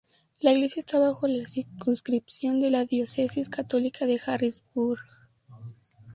La iglesia está bajo la circunscripción de la diócesis católica de Harrisburg.